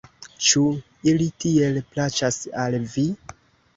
Ĉu ili tiel plaĉas al vi?